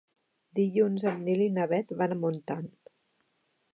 Dilluns en Nil i na Bet van a Montant.